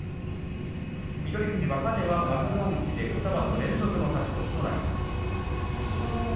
富士が幕内２場所連続の勝ち越しとなります。